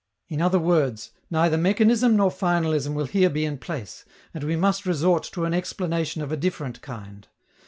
In other words, neither mechanism nor finalism will here be in place, and we must resort to an explanation of a different kind.